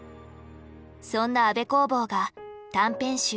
そんな安部公房が短編集